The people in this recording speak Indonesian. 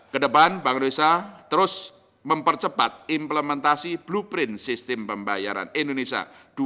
kedepan bank indonesia terus mempercepat implementasi blueprint sistem pembayaran indonesia dua ribu dua puluh